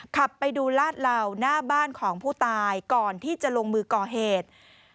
ขับไปดูลาดเหล่าหน้าบ้านของผู้ตายก่อนที่จะลงมือก่อเหตุ